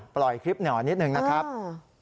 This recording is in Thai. ปล่อยคลิปหน่อนิดหนึ่งนะครับ